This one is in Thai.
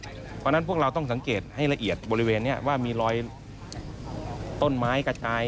เพราะฉะนั้นพวกเราต้องสังเกตให้ละเอียดบริเวณนี้ว่ามีรอยต้นไม้กระจาย